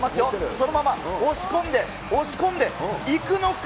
そのまま押し込んで、押し込んで、いくのか？